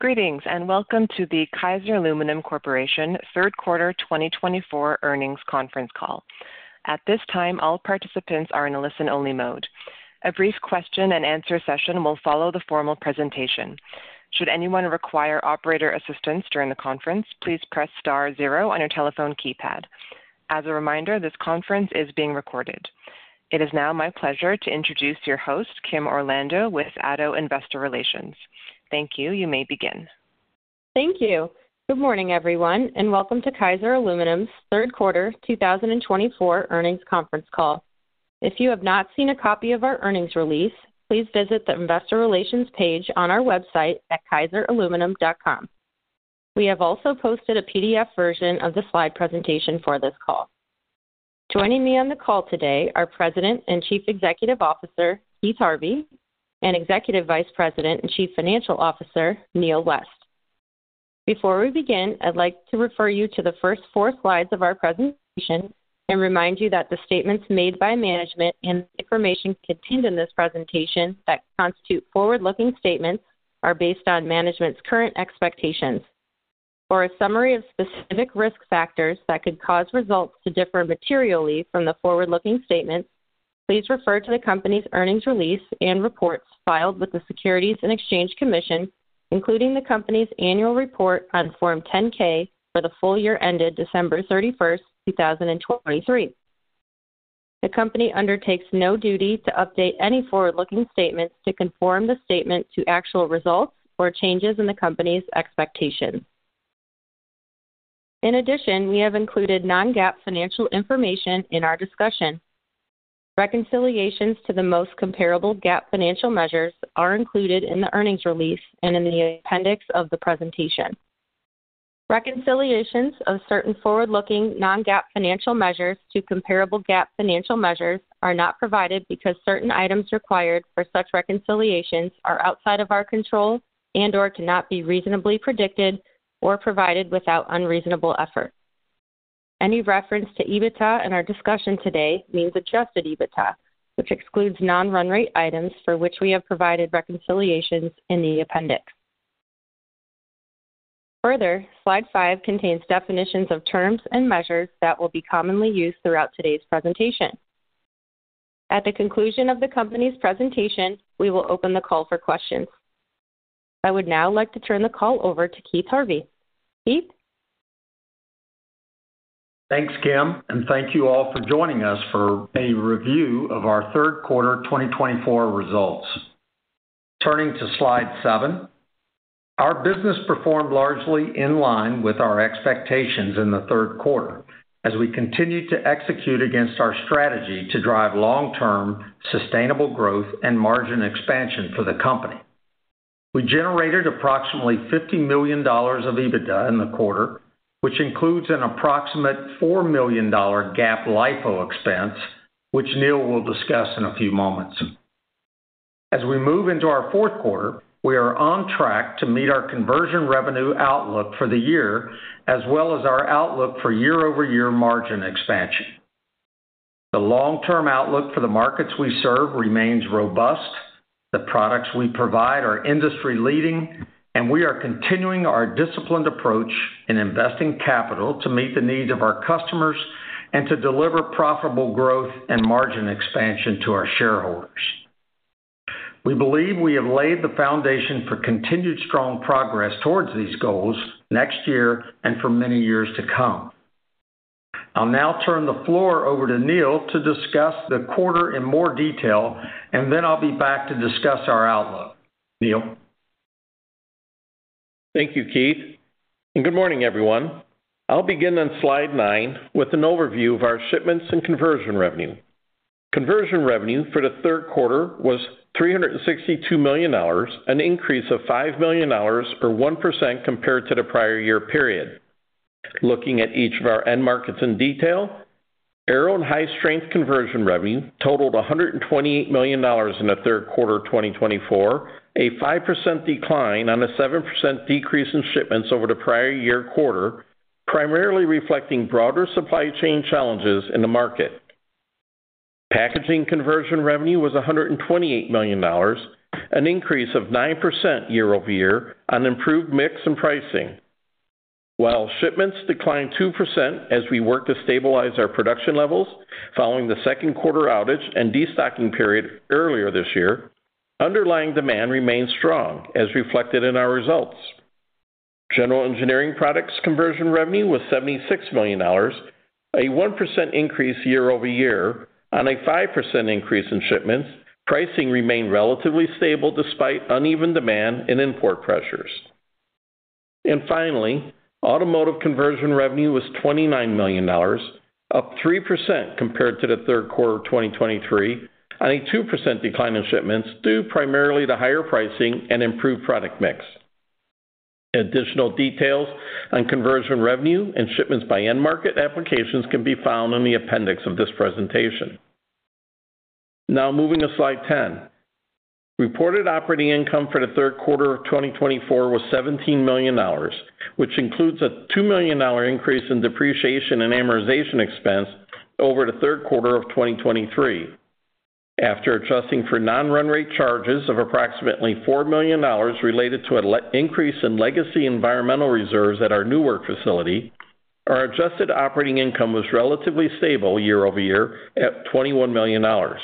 Greetings, and welcome to the Kaiser Aluminum Corporation Third Quarter 2024 Earnings Conference Call. At this time, all participants are in a listen-only mode. A brief question-and-answer session will follow the formal presentation. Should anyone require operator assistance during the conference, please press star zero on your telephone keypad. As a reminder, this conference is being recorded. It is now my pleasure to introduce your host, Kim Orlando, with Addo Investor Relations. Thank you. You may begin. Thank you. Good morning, everyone, and welcome to Kaiser Aluminum's Third Quarter 2024 Earnings Conference Call. If you have not seen a copy of our earnings release, please visit the Investor Relations page on our website at kaiseraluminum.com. We have also posted a PDF version of the slide presentation for this call. Joining me on the call today are President and Chief Executive Officer, Keith Harvey, and Executive Vice President and Chief Financial Officer, Neal West. Before we begin, I'd like to refer you to the first four slides of our presentation and remind you that the statements made by management and information contained in this presentation that constitute forward-looking statements are based on management's current expectations. For a summary of specific risk factors that could cause results to differ materially from the forward-looking statements, please refer to the company's earnings release and reports filed with the Securities and Exchange Commission, including the company's annual report on Form 10-K for the full year ended December 31, 2023. The company undertakes no duty to update any forward-looking statements to conform the statement to actual results or changes in the company's expectations. In addition, we have included non-GAAP financial information in our discussion. Reconciliations to the most comparable GAAP financial measures are included in the earnings release and in the appendix of the presentation. Reconciliations of certain forward-looking non-GAAP financial measures to comparable GAAP financial measures are not provided, because certain items required for such reconciliations are outside of our control and/or cannot be reasonably predicted or provided without unreasonable effort. Any reference to EBITDA in our discussion today means Adjusted EBITDA, which excludes non-run rate items for which we have provided reconciliations in the appendix. Further, slide five contains definitions of terms and measures that will be commonly used throughout today's presentation. At the conclusion of the company's presentation, we will open the call for questions. I would now like to turn the call over to Keith Harvey. Keith? Thanks, Kim, and thank you all for joining us for a review of our third quarter 2024 results. Turning to slide seven, our business performed largely in line with our expectations in the third quarter as we continued to execute against our strategy to drive long-term sustainable growth and margin expansion for the company. We generated approximately $50 million of EBITDA in the quarter, which includes an approximate $4 million GAAP LIFO expense, which Neal will discuss in a few moments. As we move into our fourth quarter, we are on track to meet our conversion revenue outlook for the year, as well as our outlook for year-over-year margin expansion. The long-term outlook for the markets we serve remains robust, the products we provide are industry-leading, and we are continuing our disciplined approach in investing capital to meet the needs of our customers and to deliver profitable growth and margin expansion to our shareholders. We believe we have laid the foundation for continued strong progress towards these goals next year and for many years to come. I'll now turn the floor over to Neal to discuss the quarter in more detail, and then I'll be back to discuss our outlook. Neal? Thank you, Keith, and good morning, everyone. I'll begin on slide nine with an overview of our shipments and conversion revenue. Conversion revenue for the third quarter was $362 million, an increase of $5 million, or 1% compared to the prior year period. Looking at each of our end markets in detail, aero and high-strength conversion revenue totaled $128 million in the third quarter of 2024, a 5% decline on a 7% decrease in shipments over the prior year quarter, primarily reflecting broader supply chain challenges in the market. Packaging conversion revenue was $128 million, an increase of 9% year-over-year on improved mix and pricing. While shipments declined 2% as we worked to stabilize our production levels following the second quarter outage and destocking period earlier this year, underlying demand remains strong, as reflected in our results. General engineering products conversion revenue was $76 million, a 1% increase year-over-year on a 5% increase in shipments. Pricing remained relatively stable despite uneven demand and import pressures. And finally, automotive conversion revenue was $29 million, up 3% compared to the third quarter of 2023, on a 2% decline in shipments, due primarily to higher pricing and improved product mix. Additional details on conversion revenue and shipments by end market applications can be found in the appendix of this presentation. Now moving to slide 10. Reported operating income for the third quarter of 2024 was $17 million, which includes a $2 million increase in depreciation and amortization expense over the third quarter of 2023. After adjusting for non-run rate charges of approximately $4 million related to an increase in legacy environmental reserves at our Newark facility, our adjusted operating income was relatively stable year-over-year at $21 million. Our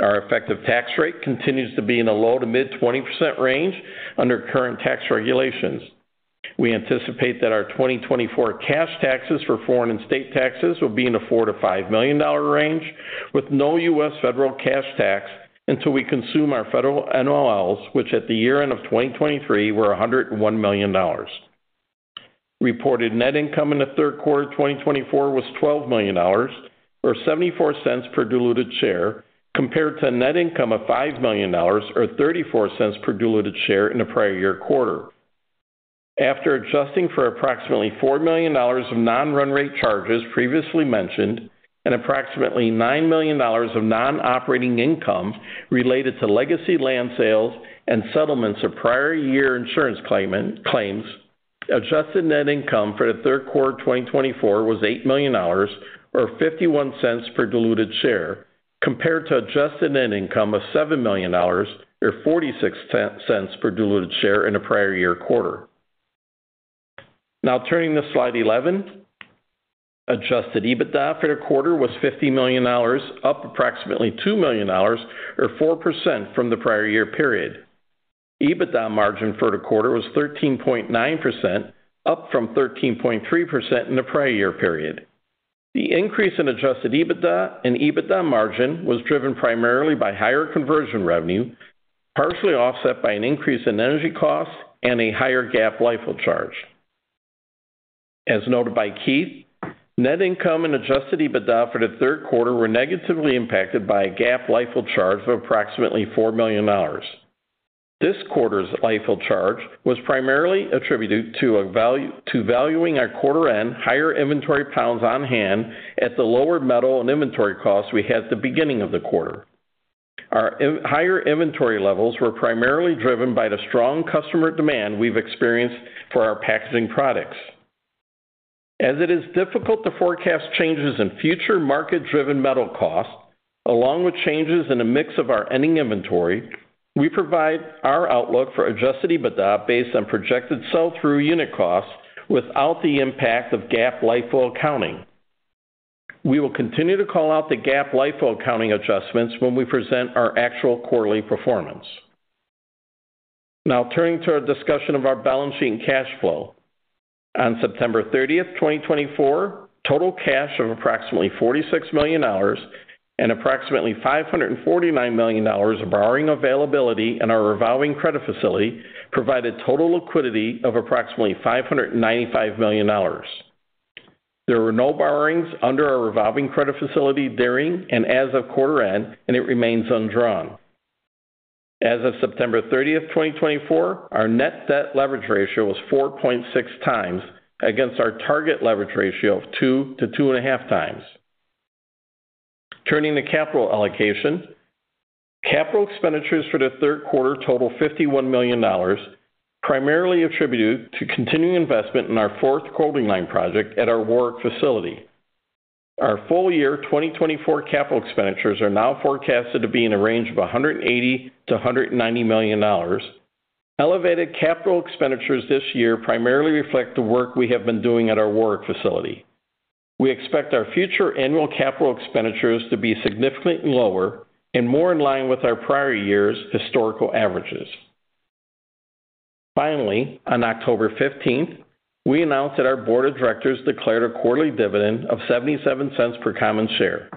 effective tax rate continues to be in the low to mid 20% range under current tax regulations. We anticipate that our 2024 cash taxes for foreign and state taxes will be in the $4-$5 million range, with no U.S. federal cash tax until we consume our federal NOLs, which at the year-end of 2023 were $101 million. Reported net income in the third quarter of 2024 was $12 million, or $0.74 per diluted share, compared to net income of $5 million or $0.34 per diluted share in the prior year quarter. After adjusting for approximately $4 million of non-run rate charges previously mentioned, and approximately $9 million of non-operating income related to legacy land sales and settlements of prior year insurance claimant claims, adjusted net income for the third quarter of 2024 was $8 million, or $0.51 per diluted share, compared to adjusted net income of $7 million, or forty-six cents per diluted share in the prior year quarter. Now turning to slide eleven. Adjusted EBITDA for the quarter was $50 million, up approximately $2 million, or 4% from the prior year period. EBITDA margin for the quarter was 13.9%, up from 13.3% in the prior year period. The increase in adjusted EBITDA and EBITDA margin was driven primarily by higher conversion revenue, partially offset by an increase in energy costs and a higher GAAP LIFO charge. As noted by Keith, net income and adjusted EBITDA for the third quarter were negatively impacted by a GAAP LIFO charge of approximately $4 million. This quarter's LIFO charge was primarily attributed to valuing our quarter-end higher inventory pounds on hand at the lower metal and inventory costs we had at the beginning of the quarter. Our higher inventory levels were primarily driven by the strong customer demand we've experienced for our packaging products. As it is difficult to forecast changes in future market-driven metal costs, along with changes in the mix of our ending inventory, we provide our outlook for Adjusted EBITDA based on projected sell-through unit costs without the impact of GAAP LIFO accounting. We will continue to call out the GAAP LIFO accounting adjustments when we present our actual quarterly performance. Now turning to our discussion of our balance sheet and cash flow. On September 30, 2024, total cash of approximately $46 million and approximately $549 million of borrowing availability in our revolving credit facility provided total liquidity of approximately $595 million. There were no borrowings under our revolving credit facility during and as of quarter end, and it remains undrawn. As of September 30, 2024, our net debt leverage ratio was 4.6x against our target leverage ratio of 2x-2.5x. Turning to capital allocation. Capital expenditures for the third quarter totaled $51 million, primarily attributed to continuing investment in our fourth coating line project at our Warrick facility. Our full year 2024 capital expenditures are now forecasted to be in a range of $180-$190 million. Elevated capital expenditures this year primarily reflect the work we have been doing at our Warrick facility. We expect our future annual capital expenditures to be significantly lower and more in line with our prior years' historical averages. Finally, on October 15, we announced that our board of directors declared a quarterly dividend of $0.77 per common share,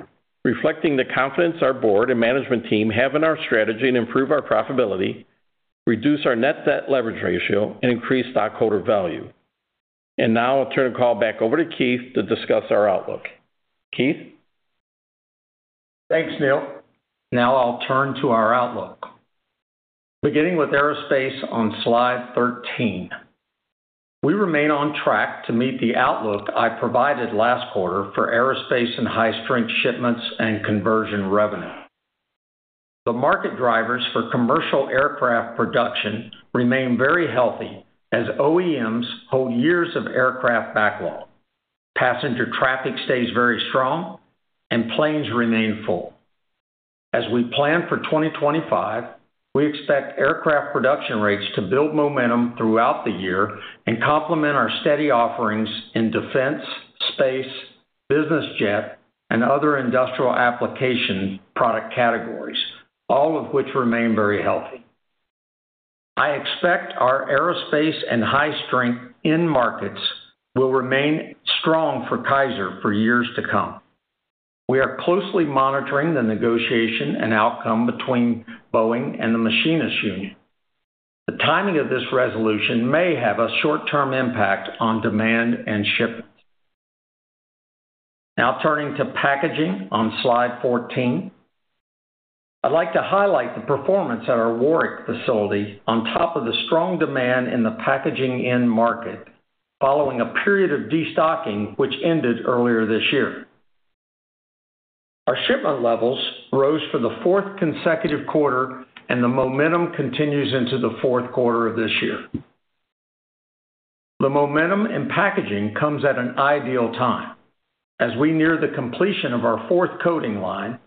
reflecting the confidence our board and management team have in our strategy to improve our profitability, reduce our net debt leverage ratio, and increase stockholder value. And now I'll turn the call back over to Keith to discuss our outlook. Keith? Thanks, Neal. Now I'll turn to our outlook. Beginning with aerospace on slide 13. We remain on track to meet the outlook I provided last quarter for aerospace and high strength shipments and conversion revenue. The market drivers for commercial aircraft production remain very healthy as OEMs hold years of aircraft backlog. Passenger traffic stays very strong, and planes remain full. As we plan for 2025, we expect aircraft production rates to build momentum throughout the year and complement our steady offerings in defense, space, business jet, and other industrial application product categories, all of which remain very healthy. I expect our aerospace and high strength end markets will remain strong for Kaiser for years to come. We are closely monitoring the negotiation and outcome between Boeing and the machinists union. The timing of this resolution may have a short-term impact on demand and shipments. Now turning to packaging on slide 14. I'd like to highlight the performance at our Warrick facility on top of the strong demand in the packaging end market, following a period of destocking, which ended earlier this year. Our shipment levels rose for the fourth consecutive quarter, and the momentum continues into the fourth quarter of this year. The momentum in packaging comes at an ideal time, as we near the completion of our fourth coating line,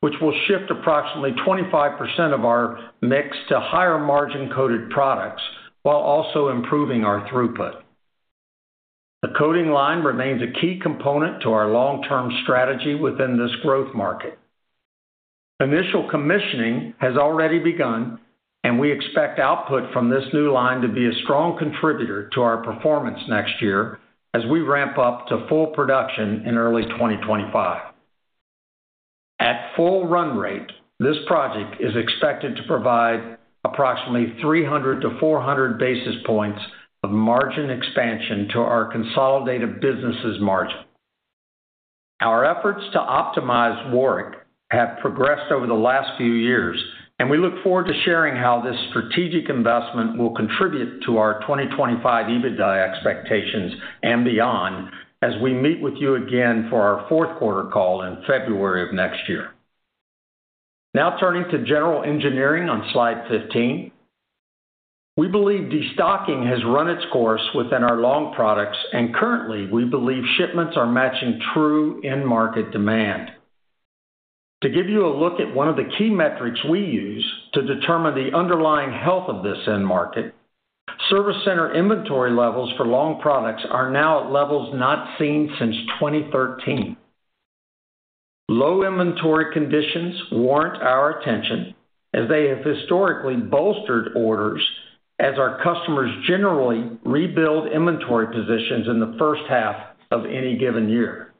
which will shift approximately 25% of our mix to higher-margin coated products, while also improving our throughput. The coating line remains a key component to our long-term strategy within this growth market. Initial commissioning has already begun, and we expect output from this new line to be a strong contributor to our performance next year as we ramp up to full production in early 2025. At full run rate, this project is expected to provide approximately 300-400 basis points of margin expansion to our consolidated businesses margin. Our efforts to optimize Warrick have progressed over the last few years, and we look forward to sharing how this strategic investment will contribute to our 2025 EBITDA expectations and beyond as we meet with you again for our fourth quarter call in February of next year. Now turning to general engineering on slide 15. We believe destocking has run its course within our long products, and currently, we believe shipments are matching true end market demand. To give you a look at one of the key metrics we use to determine the underlying health of this end market, service center inventory levels for long products are now at levels not seen since 2013. Low inventory conditions warrant our attention, as they have historically bolstered orders, as our customers generally rebuild inventory positions in the first half of any given year.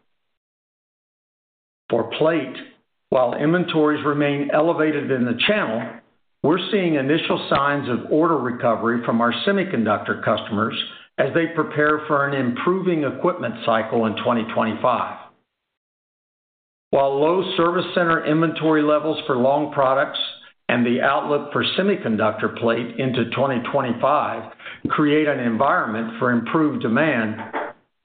For plate, while inventories remain elevated in the channel, we're seeing initial signs of order recovery from our semiconductor customers as they prepare for an improving equipment cycle in 2025. While low service center inventory levels for long products and the outlook for semiconductor plate into 2025 create an environment for improved demand,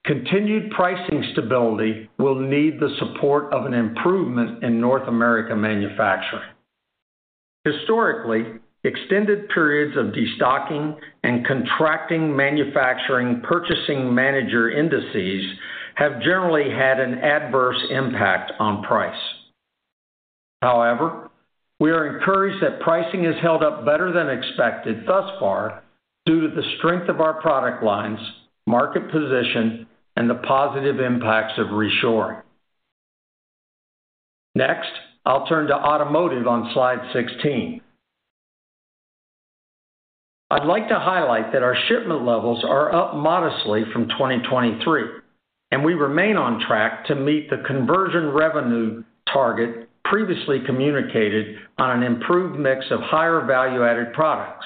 continued pricing stability will need the support of an improvement in North American manufacturing. Historically, extended periods of destocking and contracting manufacturing purchasing manager indices have generally had an adverse impact on price. However, we are encouraged that pricing has held up better than expected thus far, due to the strength of our product lines, market position, and the positive impacts of reshoring. Next, I'll turn to automotive on slide 16. I'd like to highlight that our shipment levels are up modestly from 2023, and we remain on track to meet the conversion revenue target previously communicated on an improved mix of higher value-added products.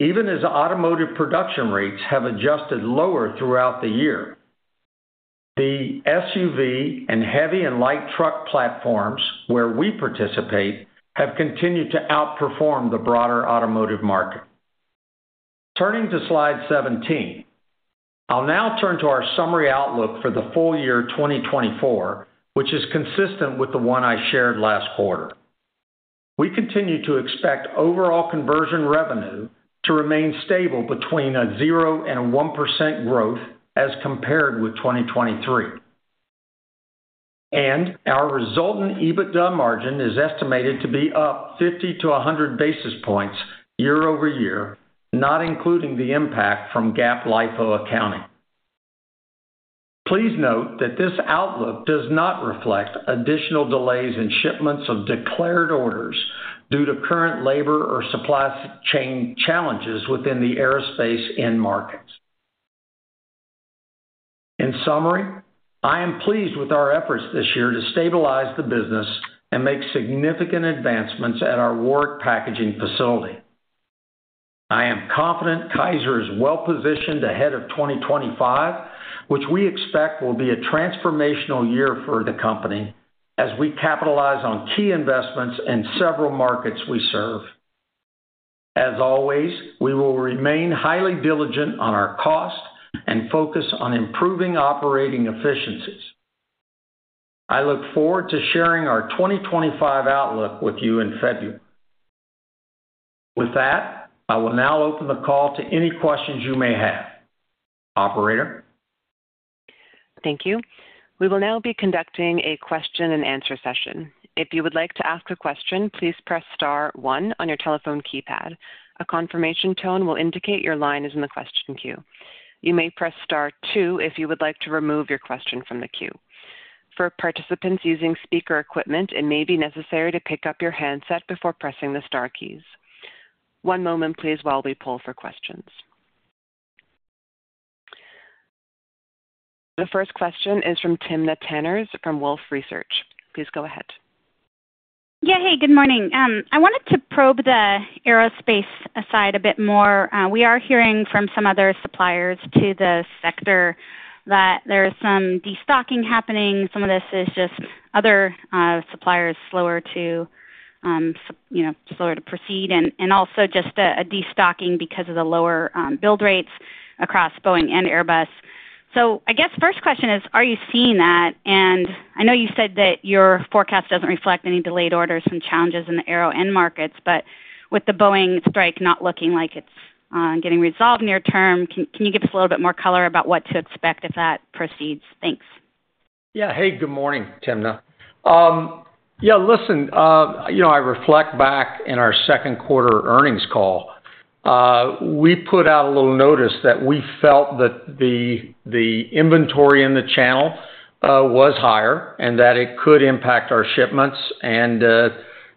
Even as automotive production rates have adjusted lower throughout the year, the SUV and heavy and light truck platforms, where we participate, have continued to outperform the broader automotive market. Turning to slide 17. I'll now turn to our summary outlook for the full year 2024, which is consistent with the one I shared last quarter. We continue to expect overall conversion revenue to remain stable between 0% and 1% growth as compared with 2023. Our resultant EBITDA margin is estimated to be up 50-100 basis points year over year, not including the impact from GAAP LIFO accounting. Please note that this outlook does not reflect additional delays in shipments of declared orders due to current labor or supply chain challenges within the aerospace end markets. In summary, I am pleased with our efforts this year to stabilize the business and make significant advancements at our Warrick packaging facility. I am confident Kaiser is well-positioned ahead of 2025, which we expect will be a transformational year for the company as we capitalize on key investments in several markets we serve. As always, we will remain highly diligent on our cost and focus on improving operating efficiencies. I look forward to sharing our 2025 outlook with you in February. With that, I will now open the call to any questions you may have. Operator? Thank you. We will now be conducting a question-and-answer session. If you would like to ask a question, please press star one on your telephone keypad. A confirmation tone will indicate your line is in the question queue. You may press star two if you would like to remove your question from the queue. For participants using speaker equipment, it may be necessary to pick up your handset before pressing the star keys. One moment, please, while we pull for questions. The first question is from Timna Tanners from Wolfe Research. Please go ahead. Yeah, hey, good morning. I wanted to probe the aerospace side a bit more. We are hearing from some other suppliers to the sector that there is some destocking happening. Some of this is just other suppliers slower to, you know, proceed, and also just a destocking because of the lower build rates across Boeing and Airbus. So I guess first question is, are you seeing that? And I know you said that your forecast doesn't reflect any delayed orders and challenges in the aero end markets, but with the Boeing strike not looking like it's getting resolved near term, can you give us a little bit more color about what to expect if that proceeds? Thanks. Yeah. Hey, good morning, Timna. Yeah, listen, you know, I reflect back in our second quarter earnings call, we put out a little notice that we felt that the inventory in the channel was higher and that it could impact our shipments and,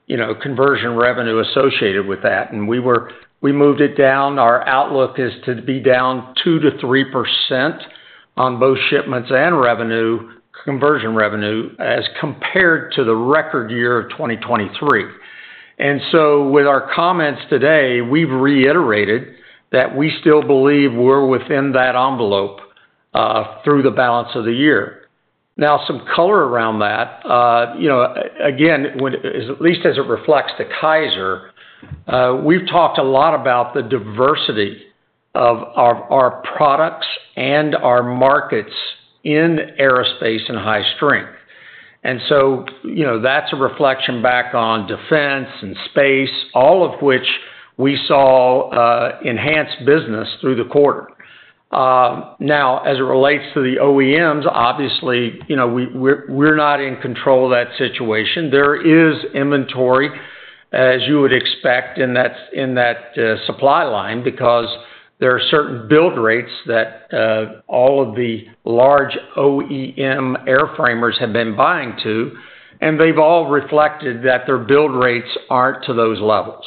you know, conversion revenue associated with that. And we moved it down. Our outlook is to be down 2%-3% on both shipments and revenue, conversion revenue, as compared to the record year of 2023. And so with our comments today, we've reiterated that we still believe we're within that envelope through the balance of the year. Now, some color around that, you know, again, as at least as it reflects to Kaiser, we've talked a lot about the diversity of our products and our markets in aerospace and high strength. And so, you know, that's a reflection back on defense and space, all of which we saw enhanced business through the quarter. Now, as it relates to the OEMs, obviously, you know, we're not in control of that situation. There is inventory, as you would expect, in that supply line, because there are certain build rates that all of the large OEM airframers have been buying to, and they've all reflected that their build rates aren't to those levels.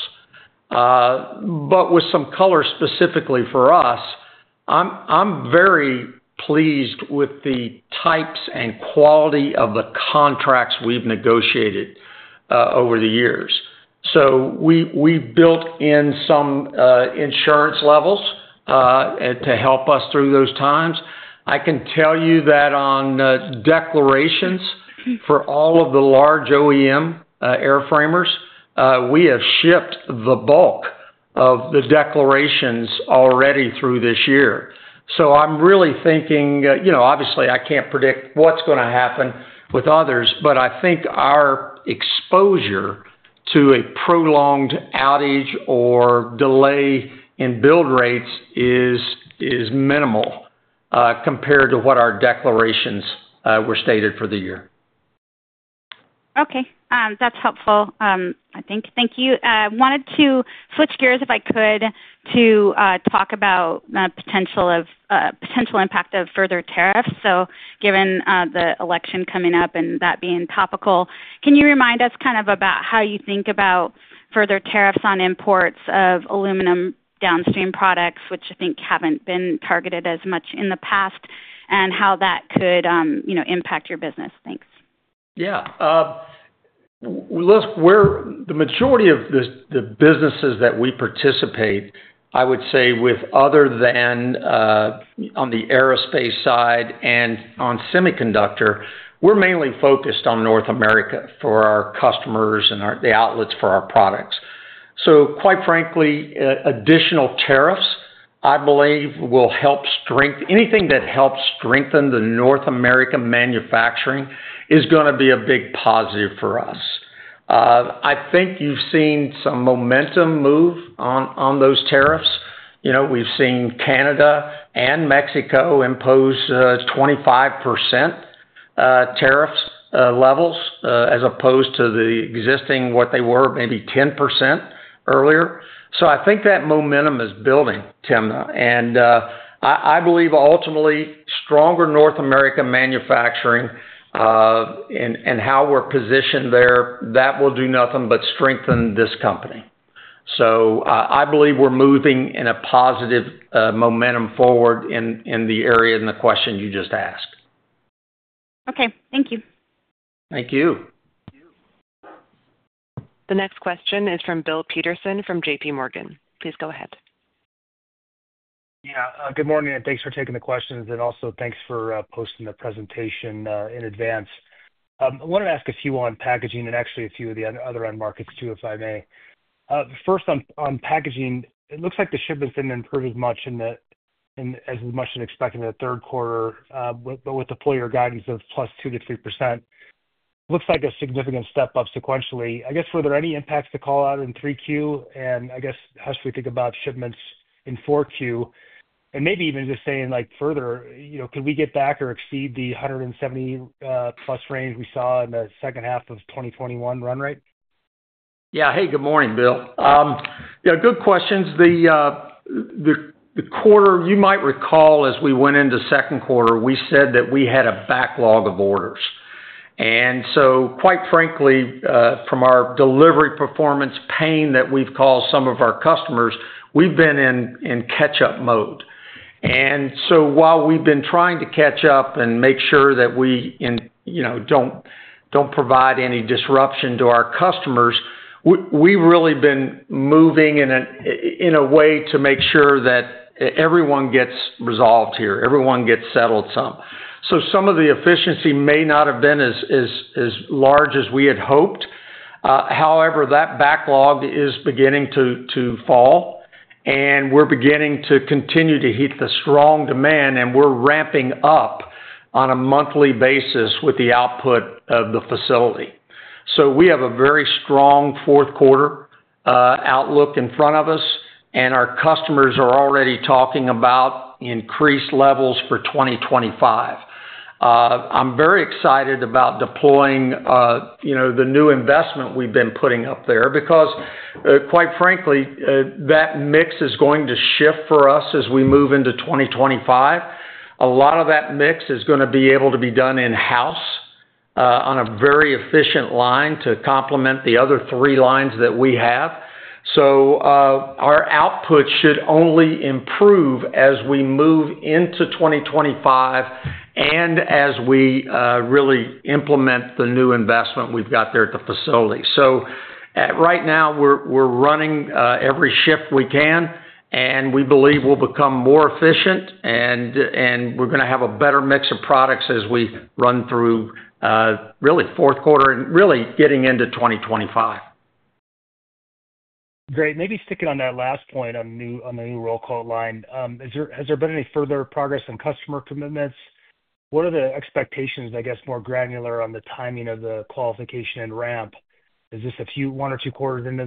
But with some color specifically for us, I'm very pleased with the types and quality of the contracts we've negotiated over the years. So we built in some insurance levels to help us through those times. I can tell you that on the declarations for all of the large OEM airframers, we have shipped the bulk of the declarations already through this year. So I'm really thinking, you know, obviously, I can't predict what's gonna happen with others, but I think our exposure to a prolonged outage or delay in build rates is minimal compared to what our declarations were stated for the year. Okay, that's helpful, I think. Thank you. Wanted to switch gears, if I could, to talk about the potential impact of further tariffs. So given the election coming up and that being topical, can you remind us kind of about how you think about further tariffs on imports of aluminum downstream products, which I think haven't been targeted as much in the past, and how that could, you know, impact your business? Thanks. Yeah, look, we're the majority of the businesses that we participate, I would say, with other than, on the aerospace side and on semiconductor, we're mainly focused on North America for our customers and our, the outlets for our products. So quite frankly, additional tariffs, I believe, will help anything that helps strengthen the North American manufacturing is gonna be a big positive for us. I think you've seen some momentum move on those tariffs. You know, we've seen Canada and Mexico impose 25% tariffs levels as opposed to the existing, what they were, maybe 10% earlier. So I think that momentum is building, Timna, and I believe ultimately, stronger North American manufacturing, and how we're positioned there, that will do nothing but strengthen this company. So I believe we're moving in a positive momentum forward in the area in the question you just asked. Okay, thank you. Thank you. The next question is from Bill Peterson, from J.P. Morgan. Please go ahead. Yeah, good morning, and thanks for taking the questions, and also thanks for posting the presentation in advance. I wanted to ask a few on packaging and actually a few of the other end markets, too, if I may. First on packaging, it looks like the shipments didn't improve as much as expected in the third quarter, but with the full year guidance of +2%-3%. Looks like a significant step up sequentially. I guess, were there any impacts to call out in 3Q? And I guess, how should we think about shipments in 4Q? And maybe even just saying, like, further, you know, can we get back or exceed the 170+ range we saw in the second half of 2021 run rate? Yeah. Hey, good morning, Bill. Yeah, good questions. The quarter. You might recall as we went into second quarter, we said that we had a backlog of orders. And so, quite frankly, from our delivery performance pain that we've called some of our customers, we've been in catch-up mode. And so while we've been trying to catch up and make sure that we, you know, don't provide any disruption to our customers, we've really been moving in a way to make sure that everyone gets resolved here, everyone gets settled some. So some of the efficiency may not have been as large as we had hoped-... However, that backlog is beginning to fall, and we're beginning to continue to hit the strong demand, and we're ramping up on a monthly basis with the output of the facility. So we have a very strong fourth quarter outlook in front of us, and our customers are already talking about increased levels for 2025. I'm very excited about deploying, you know, the new investment we've been putting up there, because, quite frankly, that mix is going to shift for us as we move into 2025. A lot of that mix is gonna be able to be done in-house on a very efficient line to complement the other three lines that we have. Our output should only improve as we move into 2025 and as we really implement the new investment we've got there at the facility. Right now, we're running every shift we can, and we believe we'll become more efficient, and we're gonna have a better mix of products as we run through really fourth quarter and really getting into 2025. Great. Maybe sticking on that last point on the new coating line. Has there been any further progress on customer commitments? What are the expectations, I guess, more granular on the timing of the qualification and ramp? Is this a few, one or two quarters into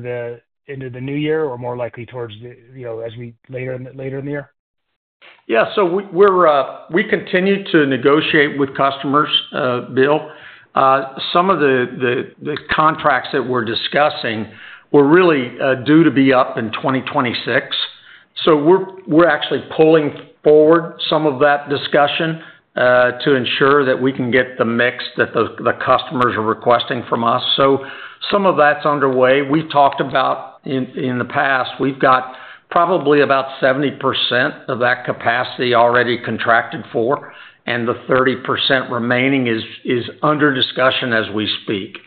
the new year, or more likely towards the, you know, as we later in the year? Yeah, so we continue to negotiate with customers, Bill. Some of the contracts that we're discussing were really due to be up in 2026. So we're actually pulling forward some of that discussion to ensure that we can get the mix that the customers are requesting from us. So some of that's underway. We've talked about, in the past, we've got probably about 70% of that capacity already contracted for, and the 30% remaining is under discussion as we speak.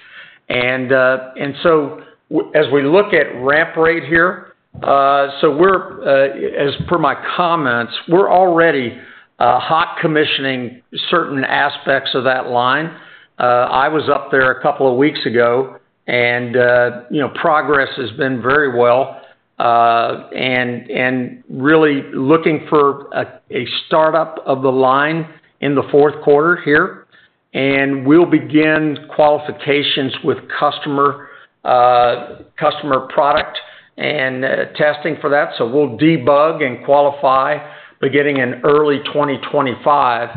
And as we look at ramp rate here, so we're, as per my comments, we're already hot commissioning certain aspects of that line. I was up there a couple of weeks ago, and you know, progress has been very well, and really looking for a startup of the line in the fourth quarter here. We'll begin qualifications with customer customer product and testing for that, so we'll debug and qualify beginning in early 2025.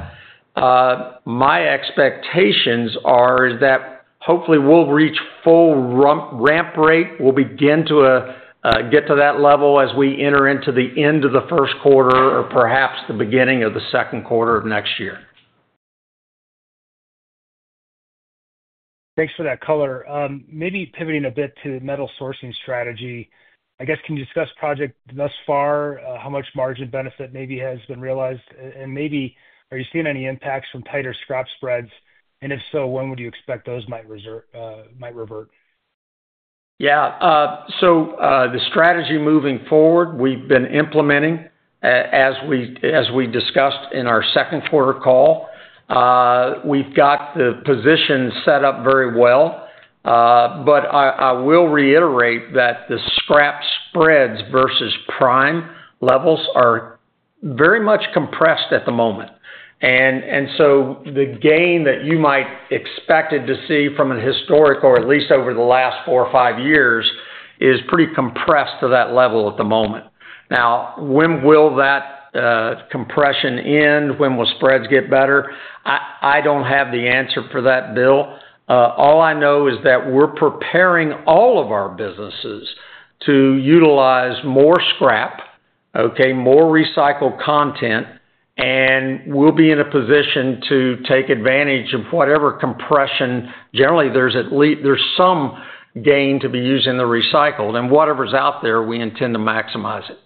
My expectations are is that hopefully we'll reach full ramp rate. We'll begin to get to that level as we enter into the end of the first quarter or perhaps the beginning of the second quarter of next year. Thanks for that color. Maybe pivoting a bit to metal sourcing strategy, I guess, can you discuss project thus far, how much margin benefit maybe has been realized, and maybe are you seeing any impacts from tighter scrap spreads? And if so, when would you expect those might revert? Yeah, so, the strategy moving forward, we've been implementing, as we discussed in our second quarter call. We've got the position set up very well, but I will reiterate that the scrap spreads versus prime levels are very much compressed at the moment. And so the gain that you might expected to see from a historic, or at least over the last four or five years, is pretty compressed to that level at the moment. Now, when will that compression end? When will spreads get better? I don't have the answer for that, Bill. All I know is that we're preparing all of our businesses to utilize more scrap, okay, more recycled content, and we'll be in a position to take advantage of whatever compression. Generally, there's at least some gain to be used in the recycled, and whatever's out there, we intend to maximize it.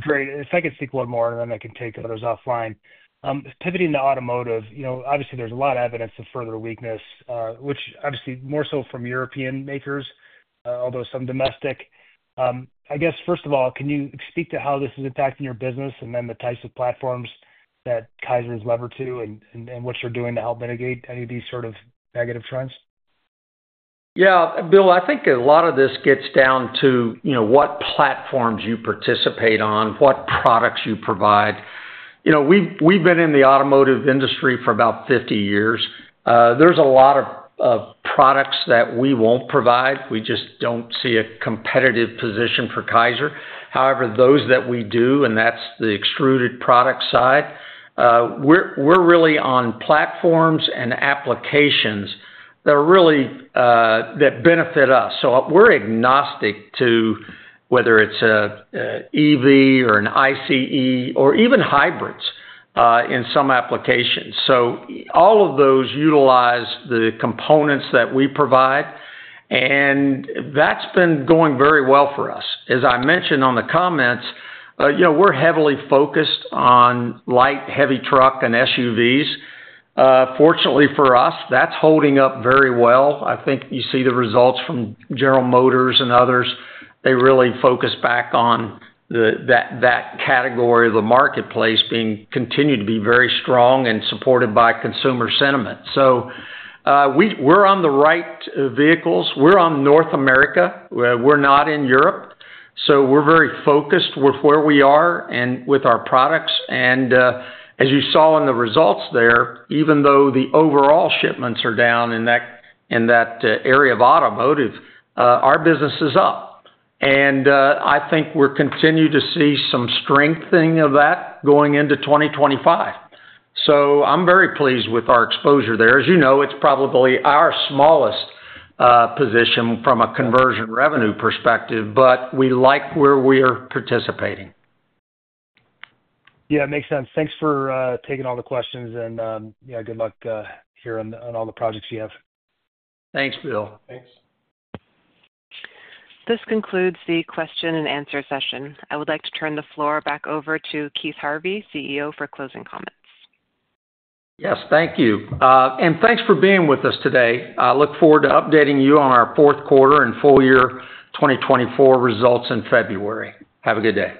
Great. If I could seek one more, and then I can take others offline. Pivoting to automotive, you know, obviously there's a lot of evidence of further weakness, which obviously more so from European makers, although some domestic. I guess, first of all, can you speak to how this is impacting your business and then the types of platforms that Kaiser is levered to, and what you're doing to help mitigate any of these sort of negative trends? Yeah, Bill, I think a lot of this gets down to, you know, what platforms you participate on, what products you provide. You know, we've been in the automotive industry for about 50 years. There's a lot of products that we won't provide. We just don't see a competitive position for Kaiser. However, those that we do, and that's the extruded product side, we're really on platforms and applications that really benefit us. So we're agnostic to whether it's an EV or an ICE or even hybrids in some applications. So all of those utilize the components that we provide, and that's been going very well for us. As I mentioned on the comments, you know, we're heavily focused on light, heavy truck and SUVs. Fortunately for us, that's holding up very well. I think you see the results from General Motors and others. They really focus back on that category of the marketplace continue to be very strong and supported by consumer sentiment. So, we're on the right vehicles. We're on North America. We're not in Europe, so we're very focused with where we are and with our products. And, as you saw in the results there, even though the overall shipments are down in that area of automotive, our business is up. And, I think we're continuing to see some strengthening of that going into 2025. So I'm very pleased with our exposure there. As you know, it's probably our smallest position from a conversion revenue perspective, but we like where we're participating. Yeah, makes sense. Thanks for taking all the questions and, yeah, good luck here on all the projects you have. Thanks, Bill. Thanks. This concludes the question and answer session. I would like to turn the floor back over to Keith Harvey, CEO, for closing comments. Yes, thank you, and thanks for being with us today. I look forward to updating you on our fourth quarter and full year 2024 results in February. Have a good day.